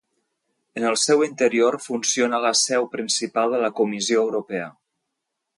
En el seu interior funciona la seu principal de la Comissió Europea.